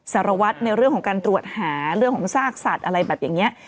สารวัตรในเรื่องของการตรวจหาเรื่องของซากสัตว์อะไรแบบอย่างนี้